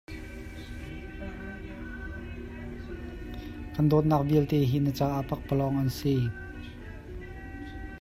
Kaan dawtnaak vialte hi na caah pakpalawng an si.